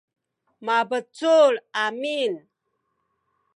mabecul amin